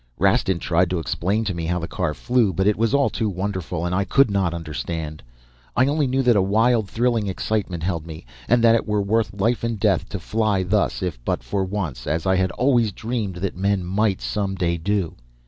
Rastin tried to explain to me how the car flew, but it was all too wonderful, and I could not understand. I only knew that a wild thrilling excitement held me, and that it were worth life and death to fly thus, if but for once, as I had always dreamed that men might some day do.